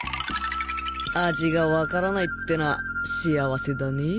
味が分からないってのは幸せだねぇ